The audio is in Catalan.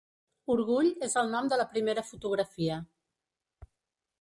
Orgull és el nom de la primera fotografia.